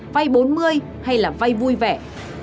vay bốn mươi hay là vay vui vẻ